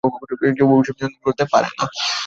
কেউ ভবিষ্যত নিয়ন্ত্রণ করতে পারে না।